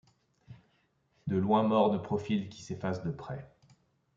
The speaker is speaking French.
De loin morne profil qui s’efface de près